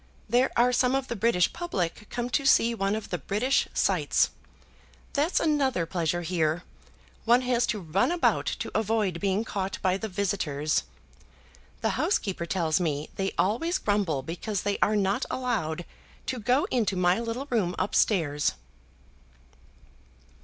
There are some of the British public come to see one of the British sights. That's another pleasure here. One has to run about to avoid being caught by the visitors. The housekeeper tells me they always grumble because they are not allowed to go into my little room up stairs."